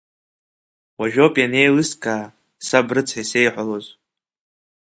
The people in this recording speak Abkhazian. Уажәоуп ианеилыскаа, саб рыцҳа исеиҳәалоз…